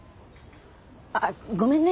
あっごめんね。